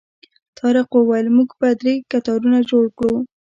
طارق وویل موږ به درې کتارونه جوړ کړو.